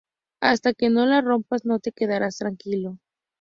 Hasta que no lo rompas, no te quedarás tranquilo